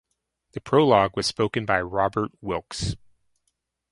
The prologue was spoken by Robert Wilks.